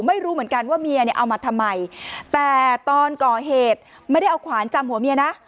ไม่รู้เหมือนกันว่าเมียเนี่ยเอามาทำไมแต่ตอนก่อเหตุไม่ได้เอาขวานจำหัวเมียนะ